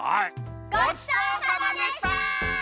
ごちそうさまでした！